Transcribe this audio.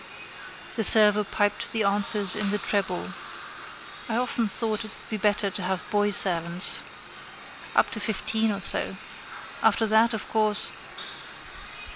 _ The server piped the answers in the treble. I often thought it would be better to have boy servants. Up to fifteen or so. After that, of course